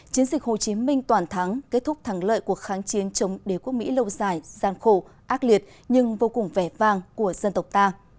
chiến dịch hồ chí minh toàn thắng kết thúc thắng lợi cuộc kháng chiến chống đế quốc mỹ lâu dài gian khổ ác liệt nhưng vô cùng vẻ vàng của dân tộc ta